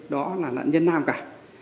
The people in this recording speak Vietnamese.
đó là nạn nhân nam cả